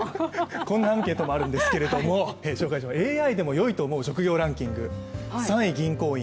こんなアンケートもあるんですけれどもＡＩでもよいと思う職業ランキング、３位銀行員、